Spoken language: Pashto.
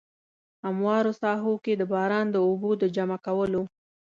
هموارو ساحو کې د باران د اوبو د جمع کولو.